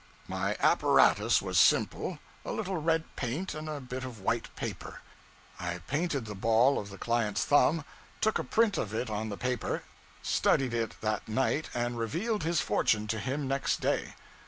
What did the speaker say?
My apparatus was simple: a little red paint and a bit of white paper. I painted the ball of the client's thumb, took a print of it on the paper, studied it that night, and revealed his fortune to him next day.